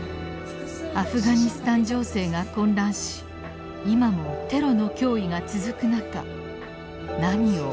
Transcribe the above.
アフガニスタン情勢が混乱し今もテロの脅威が続くなか何を思うのか。